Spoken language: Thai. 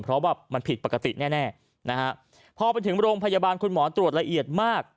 เพราะว่ามันผิดปกติแน่นะฮะพอไปถึงโรงพยาบาลคุณหมอตรวจละเอียดมาก